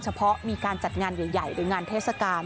เพราะมีการจัดงานใหญ่หรืองานเทศกาล